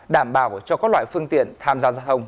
đảm bảo cho các loại phương tiện tham gia giao thông